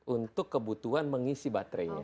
untuk kebutuhan mengisi baterainya